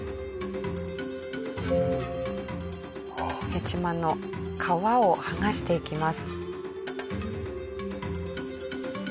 ヘチマの皮を剥がしていきます。